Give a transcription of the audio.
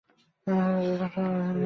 আচ্ছা স্যার আপনার নাম কী?